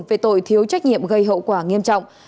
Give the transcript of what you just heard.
về tội thiếu trách nhiệm gây hậu quả nghiêm trọng